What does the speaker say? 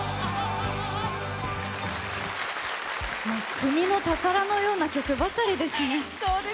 国の宝のような曲ばかりです